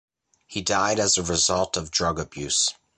He died as a result of drug abuse.